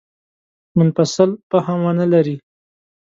منفصل فهم ونه لري.